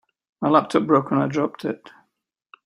My laptop broke when I dropped it.